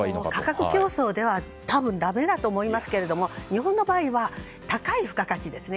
価格競争では多分だめだと思いますが日本の場合は高い付加価値ですね。